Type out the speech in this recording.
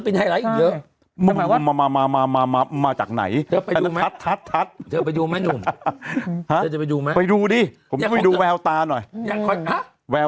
ท้องเจเขาไงแววตา